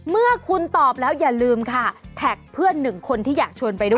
เมื่อคุณตอบแล้วอย่าลืมค่ะแท็กเพื่อนหนึ่งคนที่อยากชวนไปด้วย